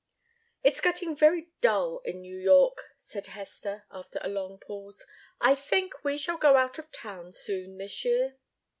"It's getting very dull in New York," said Hester, after a long pause. "I think we shall go out of town soon, this year."